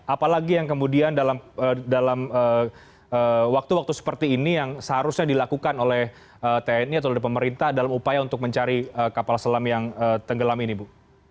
apalagi yang kemudian dalam waktu waktu seperti ini yang seharusnya dilakukan oleh tni atau dari pemerintah dalam upaya untuk mencari kapal selam yang tenggelam ini bu